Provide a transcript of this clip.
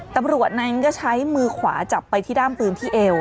ตำรวจนั้นก็ใช้มือขวาจับไปที่ด้ามปืนที่เอว